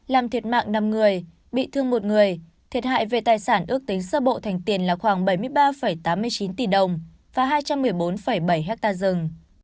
làm thiệt mạng năm người bị thương một người thiệt hại về tài sản ước tính sơ bộ thành tiền là khoảng bảy mươi ba tám mươi chín tỷ đồng và hai trăm một mươi bốn bảy hectare rừng